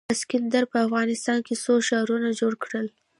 اسکندر په افغانستان کې څو ښارونه جوړ کړل